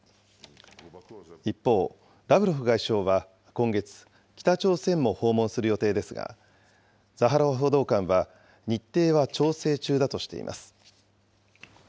一方、ラブロフ外相は今月、北朝鮮も訪問する予定ですが、ザハロワ報道官は日程は調整中だとしています。